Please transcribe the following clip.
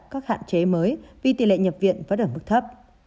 các hạn chế mới vì tỷ lệ nhập viện vẫn ở mức thấp